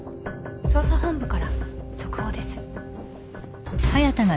捜査本部から速報です。